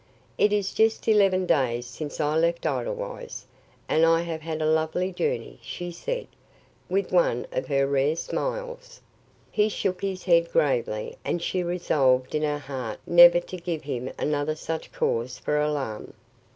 "It is just eleven days since I left Edelweiss, and I have had a lovely journey," she said, with one of her rare smiles. He shook his head gravely, and she resolved in her heart never to give him another such cause for alarm.